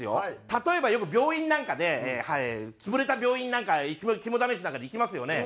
例えばよく病院なんかで潰れた病院なんか肝試しなんかで行きますよね。